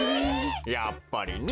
やっぱりね。